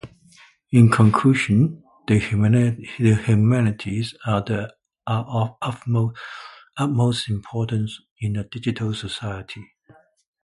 In conclusion, the humanities are of utmost importance in a digital society.